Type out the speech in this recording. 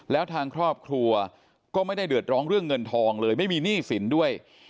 แล้วทางครอบครัวก็ไม่ได้เดือดร้อนเรื่องเงินทองเลยไม่มีหนี้สินด้วย